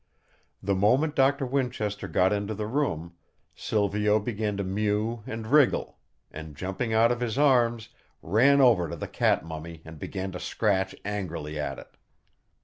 The moment Doctor Winchester got into the room, Silvio began to mew and wriggle; and jumping out of his arms, ran over to the cat mummy and began to scratch angrily at it.